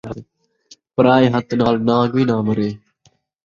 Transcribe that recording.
پرائے ہتھ نال نان٘گ وی نہ مرے